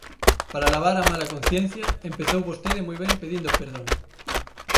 Para lavar a mala conciencia, empezou vostede moi ben pedindo perdón.